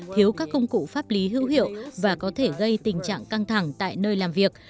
thiếu các công cụ pháp lý hữu hiệu và có thể gây tình trạng căng thẳng tại nơi làm việc